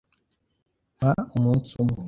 Mpa umunsi umwe.